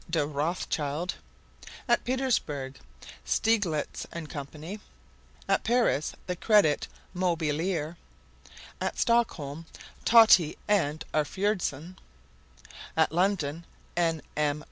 de Rothschild. At Petersburg, Stieglitz and Co. At Paris, The Credit Mobilier. At Stockholm, Tottie and Arfuredson. At London, N. M.